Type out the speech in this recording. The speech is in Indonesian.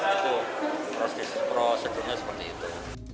itu prosedurnya seperti itu